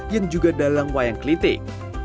yang juga dalang wayang kelitik